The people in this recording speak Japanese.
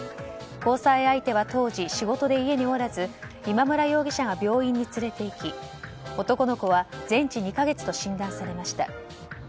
交際相手は当時仕事で家におらず今村容疑者が病院に連れていき男の子は全治２か月と診断されました。